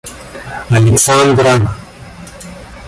Александра